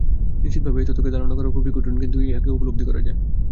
নিশ্চিতভাবে এই তত্ত্বকে ধারণা করা খুবই কঠিন, কিন্তু ইহাকে উপলব্ধি করা যায়।